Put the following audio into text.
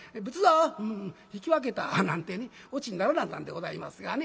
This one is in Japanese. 引き分けた」なんてね落ちにならなんだんでございますがね。